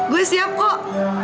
gue siap kok